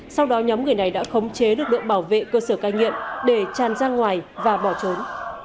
sau đó nhóm người này đã khống chế lực lượng bảo vệ cơ sở cai nghiện để tràn ra ngoài và bỏ trốn